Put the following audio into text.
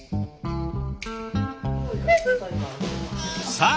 さあ